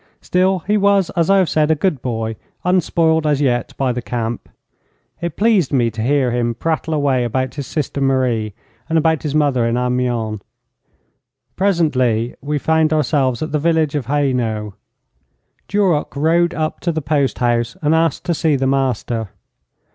Still, he was, as I have said, a good boy, unspoiled as yet by the camp. It pleased me to hear him prattle away about his sister Marie and about his mother in Amiens. Presently we found ourselves at the village of Hayenau. Duroc rode up to the post house and asked to see the master.